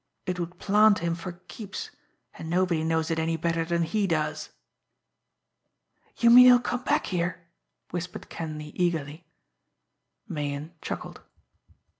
It would plant him for keeps, and nobody knows it any better than he does." "You mean he'll come back here?" whispered Kenleigh eagerly. Meighan chuckled.